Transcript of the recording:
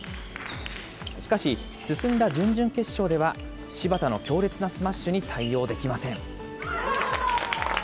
しかし、進んだ準々決勝では、芝田の強烈なスマッシュに対応できません。